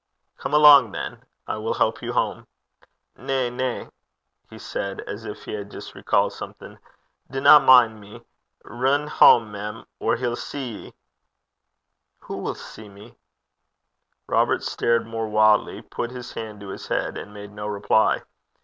'Come along, then. I will help you home.' 'Na, na,' he said, as if he had just recalled something. 'Dinna min' me. Rin hame, mem, or he'll see ye!' 'Who will see me?' Robert stared more wildly, put his hand to his head, and made no reply.